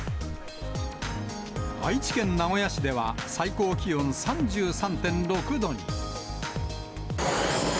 愛知県名古屋市では、最高気温３３．６度に。